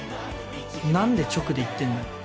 何で直でいってんだよ。